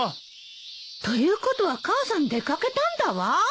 ということは母さん出掛けたんだわ。